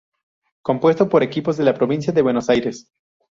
Compuesto por equipos de la provincia de Buenos Aires.